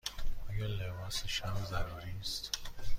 آیا لباس شب ضروری است؟